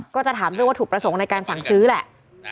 ก็จะถามเรื่องวัตถุประสงค์ในการสั่งซื้อแหละ